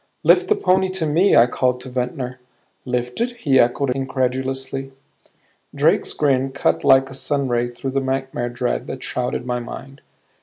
"Lift the pony to me," I called to Ventnor. "Lift it?" he echoed, incredulously. Drake's grin cut like a sunray through the nightmare dread that shrouded my mind.